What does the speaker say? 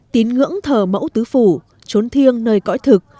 tín ngưỡng thờ mẫu tứ phủ trốn thiêng nơi cõi thực